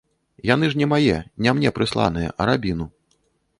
Яны ж не мае, не мне прысланыя, а рабіну.